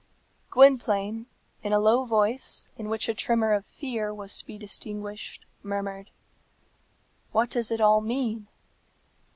Gwynplaine, in a low voice, in which a tremor of fear was to be distinguished, murmured, "What does it all mean?"